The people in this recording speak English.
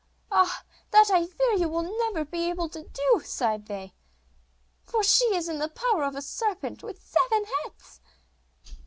'Ah! that I fear you will never be able to do,' sighed they, 'for she is in the power of a serpent with seven heads.